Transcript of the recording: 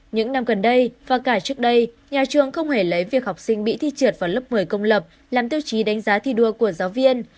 những năm gần đây và cả trước đây nhà trường không hề lấy việc học sinh bị thi trượt vào lớp một mươi công lập làm tiêu chí đánh giá thi đua của giáo viên